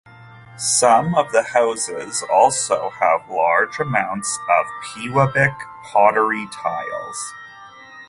Some of the houses also have large amounts of Pewabic Pottery tiles.